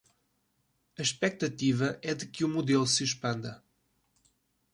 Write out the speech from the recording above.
A expectativa é de que o modelo se expanda